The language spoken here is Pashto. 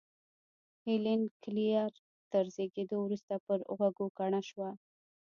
هېلېن کېلر تر زېږېدو وروسته پر غوږو کڼه شوه